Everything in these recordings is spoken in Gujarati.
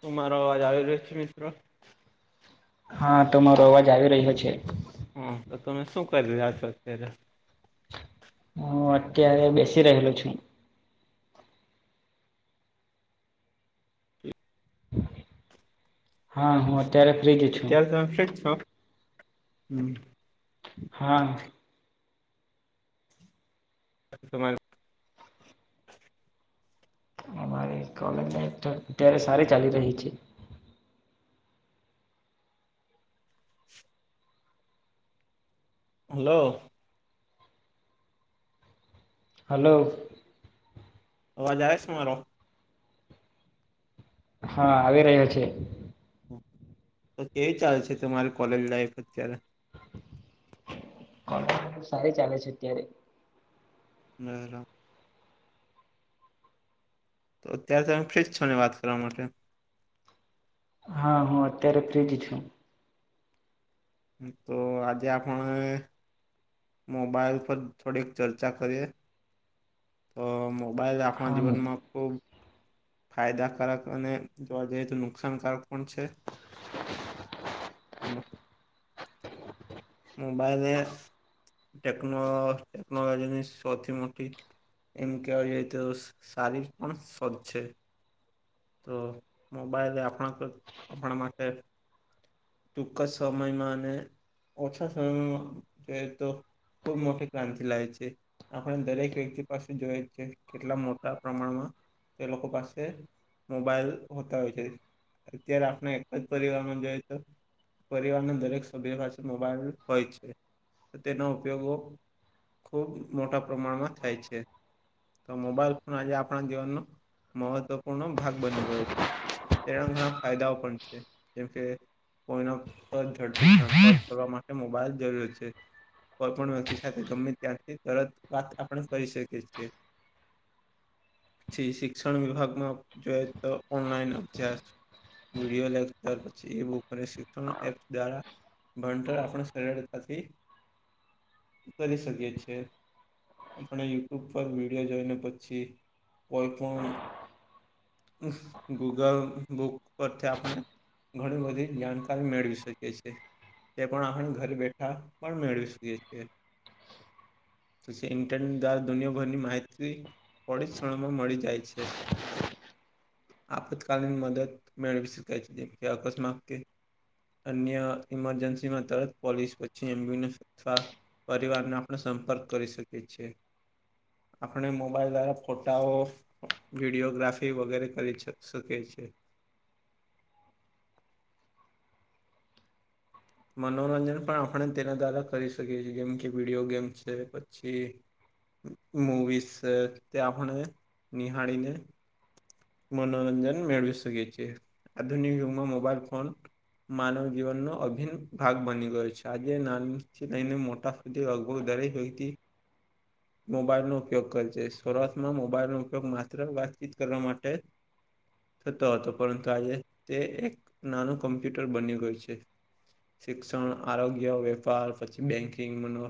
શું મારો અવાજ આવી રહ્યો છે, મિત્ર. હા તમારો અવાજ આવી રહ્યો છે. હા તો તમે શું કરી રહ્યા છો અત્યારે? હૂં અ અત્યારે બેેશી રહ્યો છું. હા હું અત્યારે ફ્રી જ તો છું અત્યાર તમે ફીટ છો હમ હા તમા, [unintelligible] અમારી કોલેજમાં તો અત્યારે સારી ચાલી રહી છે. હલો હલો અવાજ આવે છે મારો હા આવી રહ્યો છે. તો કેવી ચાલે છે તમારી કોલેજ લાઈફ અત્યારે કોલેજ તો સારી ચાલે છે અત્યારે મેરા તો અત્યારે તમે ફ્રીજ છો ને વાત કરવા માટે હા હું અત્યારે ફ્રીજ છું. તો આજે આપણે મોબાઈલ પર થોડીક ચર્ચા કરીએ. અ મોબાઈલ આપણા હા જીવનમાં ખુબ ફાયદાકારક અને જોવા જઈએ તો નુકસાનકારક પણ છે હમ મોબાઈલ એ ટેકનો ટેકનોલોજી ની સૌથી મોટી એમ કેહેવા જોઈએ તો સારી પણ સ [unintelligible] જ છે. તો મોબાઈલ એ આપણા [unintelligible] આપણા માટે ટૂંક જ સમયમાં અને ઓછા સમયમાં જો તો ખૂબ મોટી ક્રાંતિ લાઇ છે. આપણે દરેક વ્યક્તિ પાસે જોઈ છે કેટલા મોટા પ્રમાણમાં તે લોકો પાસે મોબાઈલ હોતા હોય છે અત્યારે આપણે એક જ પરિવારમાં જોઈએ તો પરિવારના દરેક સભ્ય પાસે મોબાઈલ હોય છે તેનો ઉપયોગો ખૂબ મોટા પ્રમાણમાં થાય છે. તો મોબાઈલ ફોન આજે આપણા જીવનનો મહત્વપૂર્ણ ભાગ બની ગયો છે તેના ઘણા ફાયદાઓ પણ છે જેમ કે કોઈનો તો ઝડપી સંપર્ક કરવા માટે મોબાઈલ જરૂરી છે. કોઈ પણ વ્યક્તિ સાથે ગમે ત્યાંથી તરત વાત આપણે કરી શકીએ છીએ. પછી શિક્ષણ વિભાગમાં જોઈ તો ઓનલાઈન અભ્યાસ વિડિઓ લે ત્યાર પછી બુકને શિક્ષણ એપ દ્વારા. ભણતર આપણે સરળતાથી કરી શકીએ છીએ. આપણે યુટ્યુબ પર વિડીયો જોઈને પછી કોઈ પણ ગૂગલ બુક પરથી આપણે. ઘણી બધી જાણકારી મેળવી શકે છે. તે પણ આપણે ઘરે બેઠા પણ મેળવી શકીએ છીએ. હોય છે ઇન્ટરનેટ દ્વારા દુનિયાભરની માહિતી થોડી ક્ષણમાં મળી જાય છે. આપત્કાલીન મદદ મેળવી શકે છે જે કે અકસ્માત કે. અન્ય ઇમરજન્સીમાં તરત પોલીસ પછી એમ્બ્યુલન્સ. પરિવારને આપણે સંપર્ક કરી શકીએ છીએ. આપણે મોબાઈલ દ્વારા ફોટાઓ વિડીયોગ્રાફી વગેરે કરી શકીએ છે. મનોરંજન પણ આપણે તેના દ્વારા કરી શકીએ છીએ જેમ કે વિડીયો ગેમ છે પછી. મુવીસ તે આપને નિહાળીને. મનોરંજન મેળવી શકીએ છે આધુનિક યુગમાં મોબાઈલ ફોન. માનવ જીવનનો અભિન ભાગ બની ગયો છે આજે નાનથી લઈને મોટા લગભગ દરેક વ્યક્તિ [inaudible] મોબાઈલનો ઉપયોગ કરે છે શરૂઆતમાં મોબાઈલનો ઉપયોગ માત્ર વાતચીત કરવા માટે. થતો હતો પરંતુ આજે તે એક નાનું કમ્પ્યુટર બની ગયું છે. શિક્ષણ આરોગ્ય વેપાર પછી બેંકિંગ મનો.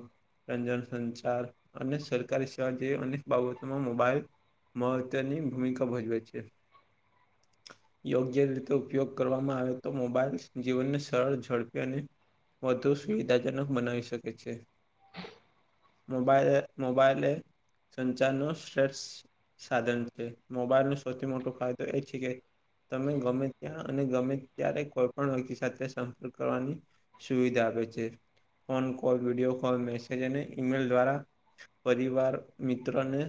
રંજન સંચાર અને સરકારી સેવા જે અનેક બાબતોમાં મોબાઈલ. મહત્વાની ભૂમિકા ભજવેે છે. યોગ્ય રીતે ઉપયોગ કરવામાં આવે તો મોબાઈલ જીવનને સરળ ઝડપી. અને વધુ સુવિધાજનક બનાવી શકે છે. મોબાઈલે મોબાઈલે સંચારનું શ્રેષ્ઠ સાધન છે મોબાઈલ નુ સૌથી મોટો ફાયદો એ છે કે તમે ગમે ત્યાં અને ગમે ત્યારે કોઈ પણ વ્યક્તિ સાથે સંપર્ક કરવાની સુવિધા આપે છે. Phone call video call message અને ઈમેલ દ્વારા પરિવાર મિત્રને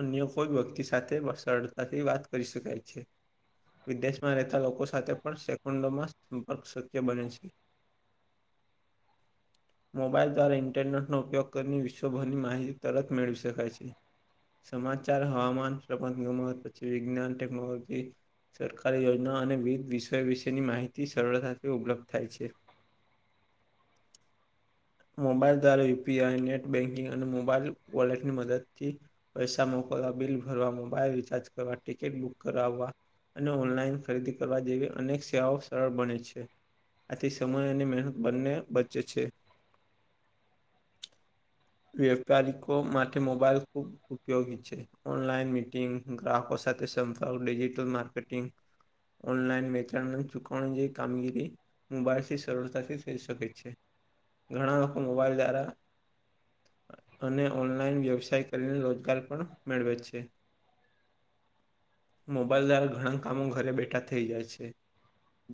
અન્ય કોઈ વ્યક્તિ સાથે સરળતાથી વાત કરી શકાય છે. વિદેશમાં રહેતા લોકો સાથે પણ સેકન્ડોમાં અશક્ય બને છે. મોબાઈલ દ્વારા ઇન્ટરનેટનો ઉપયોગ કરીને વિશ્વભરની માહિતી તરત મેળવી શકાય છે. સમાચાર હવામાન રમત ગમત પછી વિજ્ઞાન ટેકનોલોજી. સરકારી યોજના અને વિવિધ વિષયો વિશેની માહિતી માહિતી સરળતાથી ઉપલબ્ધ થાય છે. મોબાઈલ દ્વારા યુપીઆઈ નેટ બેન્કિંગ અને મોબાઈલ વોલેટની મદદ થી પૈસા મોકલવા બિલ ભરવા મોબાઇલ રિચાર્જ કરવા ટિકિટ બુક કરાવવા અને ઓનલાઈન ખરીદી કરવા જેવી અનેક સેવાઓ સરળ બને છે, આથી સમય અને મહેનત બંને બચે છે. [inaudible] વ્યાપારિકો માટે મોબાઈલ ખૂબ ઉપયોગી છે ઓનલાઈન મીટિંગ ગ્રાહકો સાથે સંપર્ક ડિજિટલ માર્કેટિંગ ઓનલાઈન વેચાણ ની ચુક પણ જે કામગીરી મુબાઈલથી સરળતાથી થઈ શકે છે. ઘણા લોકો મોબાઈલ દ્વારા અને ઓનલાઈન વ્યવસાય કરીને રોજગાર પણ મેળવે છે. મોબાઈલ દ્વારા ઘણા કામો ઘરે બેઠા થઈ જાય છે.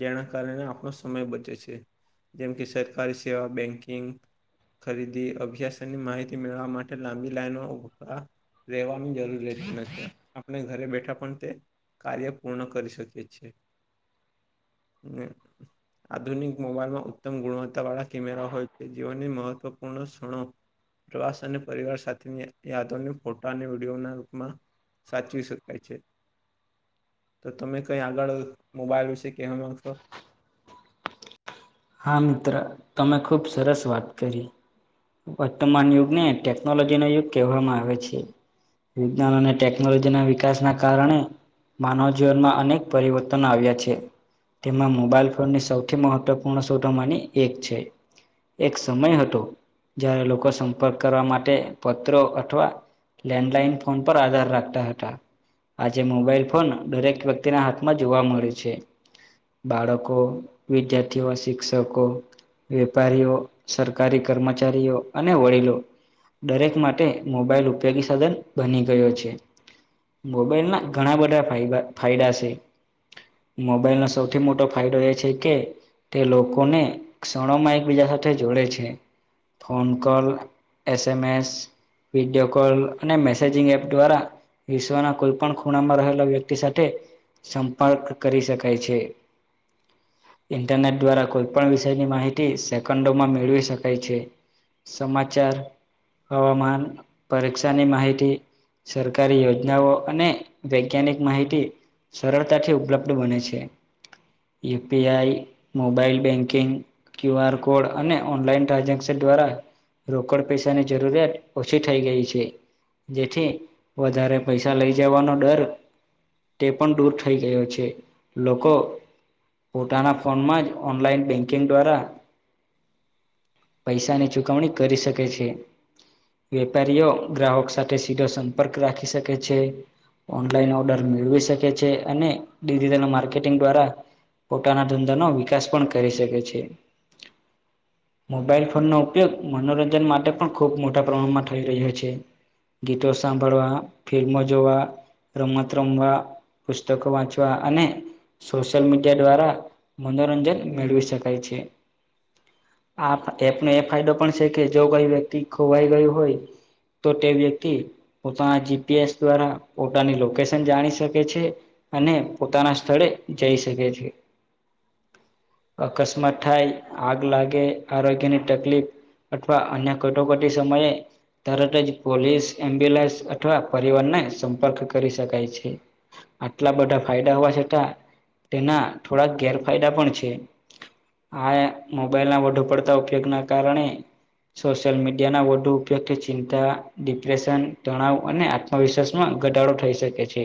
જેના કારણે આપણો સમય બચે છે, જેમ કે સરકારી સેવા, બેન્કિંગ ખરીદી અભ્યાસ અને માહિતી મેળવવા માટે લાંબી લાઈનો [unintelligible] રેવાની જરૂર રહેતી નથી આપણે ઘરે બેઠા પણ તે કાર્ય પૂર્ણ કરી શકે છે. ને આધુનિક મોબાઈલમાં ઉત્તમ ગુણવત્તા વાળા કેમેરા હોય છે જેઓને મહત્વ પુણ ક્ષણ પ્રવાસ અને પરિવાર સાથેની યાદોને ફોટા અને વિડીયો ના રૂપમાં સાચવી શકાય છે, તો તમે કઈ આગળ મોબાઈલ વિશે કે્યાં માણસો [unintelligible] હા મિત્ર તમે ખૂબ સરસ વાત કરી. વર્તમાન યુગને ટેકનોલોજી નો યુગ કહેવામાં આવે છે. વિજ્ઞાન અને ટેકનોલોજી ના વિકાસ ના કારણે માનવ જીવનમાં અનેક પરિવર્તન આવ્યા છે તેમાં મોબાઈલ ફોનની સૌથી મહત્વ પુર્ણ શ્રોતો માંની એક છે. એક સમય હતો જ્યારે લોકો સંપર્ક કરવા માટે પત્રો અથવા લેન્ડલાઈન ફોન પર આધાર રાખતા હતા. આજે મોબાઈલ ફોન દરેક વ્યક્તિના હાથમાં જોવા મળ્યું છે. બાળકો, વિદ્યાર્થીઓ, શિક્ષકો વ્યાપારીઓ, સરકારી કર્મચારીઓ, અને વડીલો દરેક માટે મોબાઈલ ઉપયોગી સાધન બની ગયો છે. મોબાઈલ ના ઘણા બધા ફબા ફાયદા છે. મોબાઈલનો સૌથી મોટો ફાયદો એ છે કે તે લોકોને ક્ષણોમાં એકબીજા સાથે જોડે છે. Phone call, S M S video call અને મેસેજિંગ એપ દ્વારા વિશ્વના કોઈ પણ ખૂણામાં રહેલા વ્યક્તિ સાથે સંપર્ક કરી શકાય છે. ઇન્ટરનેટ દ્વારા કોઈ પણ વિષયની માહિતી સેકન્ડોમાં મેળવી શકાય છે. સમાચાર, હવામાન, પરીક્ષાની માહિતી સરકારી યોજનાઓ અને વૈજ્ઞાનિક માહિતી સરળતાથી ઉપલબ્ધ બને છે UPI mobile banking, Q R code અને ઓનલાઈન ટ્રાઝેક્શન દ્વારા રોકડ પૈસાની જરૂરિયાત ઓછી થઇ ગઈ છે. જેથી વધારે પૈસા લઈ જવાનો ડર તે પણ દૂર થઈ ગયો છે લોકો પોતાના ફોનમાં જ ઓનલાઈન બેન્કિંગ દ્વારા પૈસાની ચુકવણી કરી શકે છે. વેપારીઓ ગ્રાહક સાથે સીધો સંપર્ક રાખી સકે છે. ઓનલાઈન ઓર્ડર મેળવી શકે છે અને ડિજિટલ માર્કેટિંગ દ્વારા પોતાના ધંધા નો વિકાસ પણ કરી શકે છે. [inaudible] મોબાઈલ ફોનનો ઉપયોગ મનોરંજન માટે પણ ખૂબ મોટા પ્રમાણમાં થઈ રહ્યો છે. ગીતો સાંભળવા, ફિલ્મો જોવા રમત રમવા પુસ્તકો વાંચવા અને સોશિયલ મીડિયા દ્વારા મનોરંજન મેળવી શકાય છે. આ એપનો એ ફાયદો પણ છે કે જો કઈ વ્યક્તિ ખોવાઈ ગયું હોય તો ટે વ્યક્તિ પોતાના જીપીએસ દ્વારા પોતાની લોકેશન જાણી શકે છે. અને પોતાના સ્થળે જઈ શકે છે. અકસ્માત થાય આગ લાગે આરોગ્ય ની તકલીફ અથવા અન્ય કટોકટી સમયે તરત જ પોલીસ, એમ્બ્યુલન્સ અથવા સંપર્ક કરી શકાય છે. આટલા બધા ફાયદા હોવા છતાં તેના થોડાક ગેરફાયદા પણ છે. આ મોબાઈલ ના વધુ પડતા ઉપયોગ ના કારણે સોશિયલ મીડિયા ના વધુ ઉપયોગ કે ચિંતા, ડિપ્રેશન, તણાવ અને આ અ વિશેષ માં ઘટાડો થઈ શકે છે.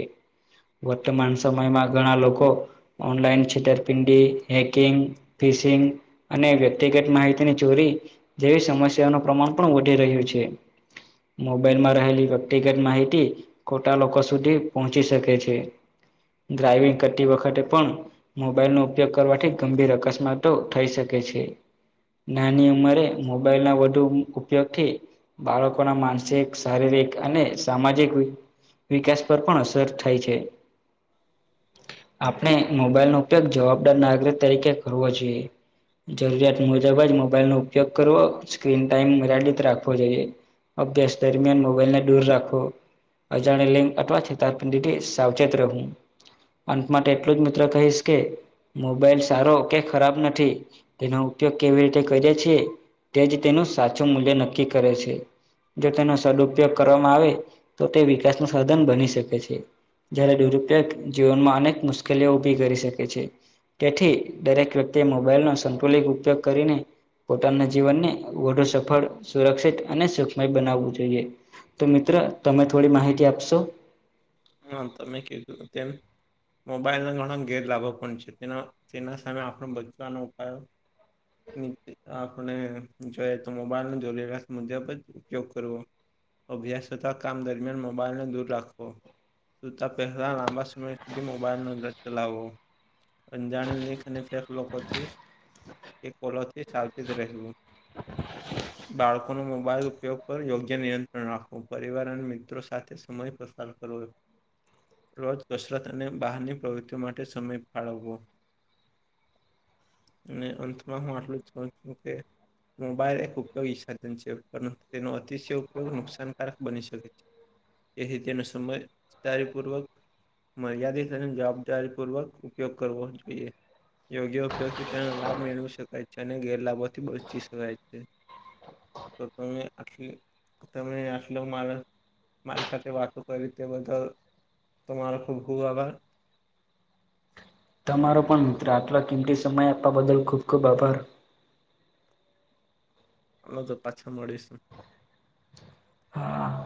વર્તમાન સમયમાં ઘણા લોકો ઓનલાઈન છેતર પિંડી, હેકિંગ, ફિશિંગ અને વ્યક્તિગત માહિતીની ચોરી જેવી સમસ્યા નું પ્રમાણ પણ વધી રહ્યું છે. મોબાઈલમાં રહેલી વ્યક્તિગત માહિતી ખોટા લોકો સુધી પહોંચી શકે છે ડ્રાઈવિંગ કરતી વખતે પણ મોબાઈલનો ઉપયોગ કરવાથી ગંભીર અકસ્માતો થઈ શકે છે. નાની ઉંમરે મોબાઈલ ના વધુ ઉપયોગ થી. બાળકોના માનસિક, શારીરિક અને સામાજિક વિકાસ પર પણ અસર થાય છે આપણે મોબાઈલ નો જવાબદાર નાગરિક તરીકે કરવો જોઈએ. જરૂરિયાત મુજબ જ મોબાઈલ નો ઉપયોગ કરવો સ્ક્રીન ટાઈમ મર્યાદિત રાખવો જોઈએ. અભ્યાસ દરમિયાન મોબાઈલને દૂર રાખવું. અજાણ્યી લિંક અથવા છેતરપિંડી થી સાવચેત રહેવું. અંત માટે એટલું જ મિત્ર કહીશ કે મોબાઈલ સારો કે ખરાબ નથી. તેનો ઉપયોગ કેવી રીતે કરીએ છીએ તેજ તેનું સાચું મૂલ્ય નક્કી કરે છે. જો તેનો સદઉપયોગ કરવામાં આવે તો તે વિકાસ નું સધન બની શકે છે. જ્યારે દુરુપયોગ જીવનમાં અનેક મુશ્કેલીઓ ઊભી કરી શકે. કરી શકે છે તેથી દરેક વ્યક્તિએ મોબાઈલ નો સંતુલિત ઉપયોગ કરીને પોતાના જીવનને વધુ સફળ સુરક્ષિત અને સુખમય બનાવવું જોઈએ. તો મિત્ર તમે થોડી માહિતી આપશો? હા, તમે કિધુ તેમ મોબાઇલના ઘણા ગેરલાભો પણ છે તેના તેના સામે આપણો બચવાના ઉપાયો નીચે આપણે જોઈ તો મોબાઈલ નો જરૂરિયાત મુજબ જ ઉપયોગ અભ્યાસ તથા કામ દરમિયાન મોબાઈલને દૂર રાખવો. જોતાં પહેલાં લાંબા સમય સુધી મોબાઈલનો દ ચલાવવો. અજાણી લીખ અને ફેસ લોકો થી એ કોલોથી સારબિત રહેવું. બાળકોનો મોબાઈલ ઉપયોગ પર યોગ્ય નિયંત્રણ રાખવું, પરિવાર અને મિત્રો સાથે સમય પસાર કરવો. રોજ કસરત અને બહારની પ્રવૃત્તિઓ માટે સમય ફાળવવો. અને અંતમાં હું આટલું જ કઉ છું કે- મોબાઈલ એક ઉપયોગી સાધન છે. પરંતુ, તેનો અતિશય ઉપયોગ નુકસાનકારક બની શકે છે. તેથી તેનો સમજદારીપૂર્વક- મર્યાદિત અને જવાબદારી પૂર્વક ઉપયોગ કરવો જોઈએ. યોગ્ય ઉપયોગથી તેનો લાભ મેળવી શકાય છે અને ગેરલાભોથી બચી શકાય છે. તો તમે આટલી તમે આટલો મારા- મારી સાથે વાતો કરી તે બદલ તમારો ખૂબ ખૂબ આભાર. તમારો પણ મિત્ર આટલો કિંમતી સમય આપવા બદલ ખૂબ ખૂબ આભાર. હાલોતો પાછા મળીશું. હા.